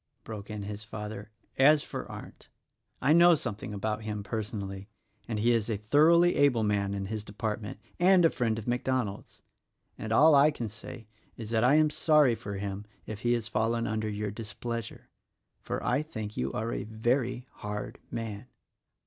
broke in his father, "as for Arndt! I know something about him, personally, and he is a thoroughly able man in his department — and a friend of MacDonald's ; and all I can say is that I am sorry for him if he has fallen under your displeasure; for I think you are a very hard man."